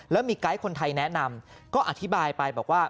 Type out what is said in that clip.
แล้วมีไกด์คนไทยแนะนำก็อธิบายไปบอกว่า